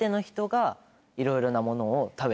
いろいろなものを。